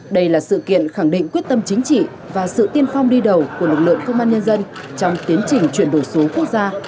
đây là sự kiện khẳng định quyết tâm chính trị và sự tiên phong đi đầu của lực lượng công an nhân dân trong tiến trình chuyển đổi số quốc gia